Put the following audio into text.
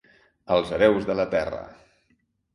Els hereus de la terra.